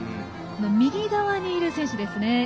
右側にいる選手ですね。